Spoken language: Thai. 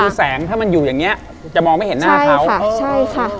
คือแสงถ้ามันอยู่อย่างนี้จะมองไม่เห็นหน้าเขา